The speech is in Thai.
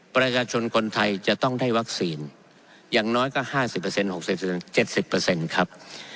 ประชาชนคนไทยจะต้องได้วัคซีนอย่างน้อยก็๕๐๖๐๗๐ครับ